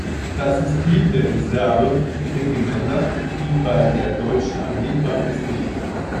Das System der Reserve Regimenter wie bei der deutschen Armee gab es nicht.